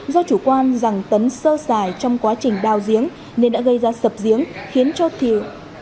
do chủ quan rằng tấn sơ xài trong quá trình đào giếng nên đã gây ra sập giếng khiến cho thiềm văn trì tử tệ